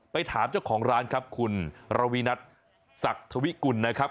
ถามเจ้าของร้านครับคุณระวินัทศักดิ์ธวิกุลนะครับ